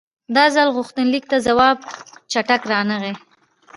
دا ځل غوښتنلیک ته ځواب چټک رانغی.